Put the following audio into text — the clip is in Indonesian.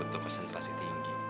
ini butuh konsentrasi tinggi